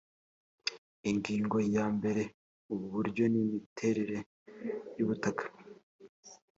ingingo ya mbere uburyo n imiterere yubutaka